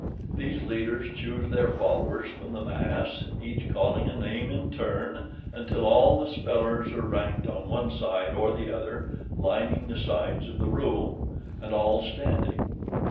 These leaders choose their followers from the mass, each calling a name in turn, until all the spellers are ranked on one side or the other, lining the sides of the room, and all standing.